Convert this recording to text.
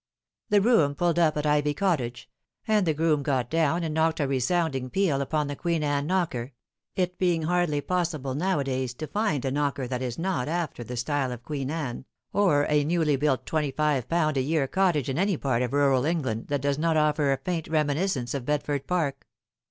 The brougham pulled up at Ivy Cottage ; and the groom got down and knocked a resounding peal upon the Queen Anne knocker, it being hardly possible nowadays to find a knocker that is not after the style of Queen Anne, or a newly built twenty five pound a year cottage in any part of rural England that does not offer a faint reminiscence of Bedford Park.